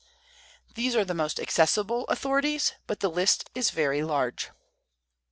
These are the most accessible authorities, but the list is very large.